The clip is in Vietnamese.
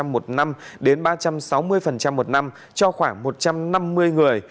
một trăm linh chín năm một năm đến ba trăm sáu mươi một năm cho khoảng một trăm năm mươi người